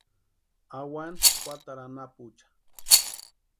Awani juatarhu anapucha.